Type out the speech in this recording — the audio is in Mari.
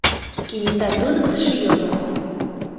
— кенета туныктышо йодо.